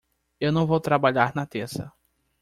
Eu não vou trabalhar na terça.